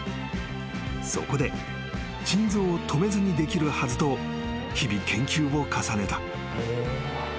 ［そこで心臓を止めずにできるはずと日々研究を重ねた］